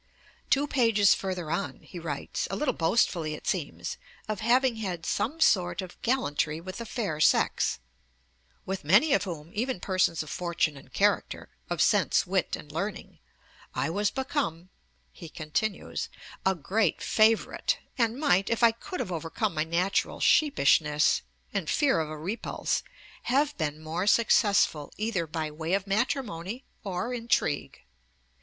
Two pages further on he writes, a little boastfully it seems, of having had 'some sort of gallantry with the fair sex; with many of whom, even persons of fortune and character, of sense, wit, and learning, I was become,' he continues, 'a great favourite, and might, if I could have overcome my natural sheepishness and fear of a repulse, have been more successful either by way of matrimony or intrigue.'